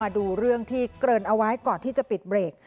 ดูเรื่องที่เกริ่นเอาไว้ก่อนที่จะปิดเบรก